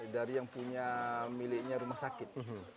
dari yang punya miliknya rumah sakit